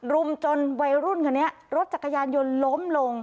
รุมจนวัยรุ่นคนนี้รถจักรยานยนต์ล้มลง